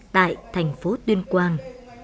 tại thành phố tuyên quang